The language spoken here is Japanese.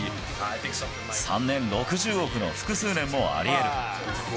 ３年６０億の複数年もありえる。